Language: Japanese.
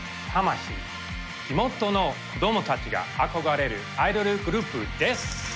地元の子供たちが憧れるアイドルグループです。